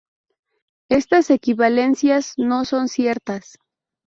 Estas equivalencias no son ciertas.